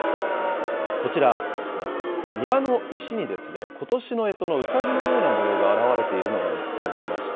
こちら、庭の石に、ことしのえとのうさぎのような模様が現れているのが見つかりました。